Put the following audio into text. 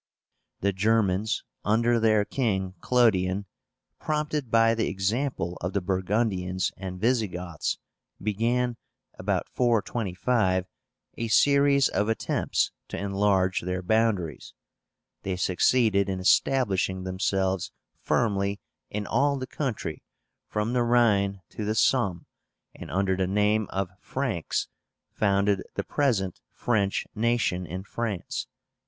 The GERMANS, under their king, CLODION, prompted by the example of the Burgundians and Visigoths, began, about 425, a series of attempts to enlarge their boundaries. They succeeded in establishing themselves firmly in all the country from the Rhine to the Somme, and under the name of FRANKS founded the present French nation in France (447).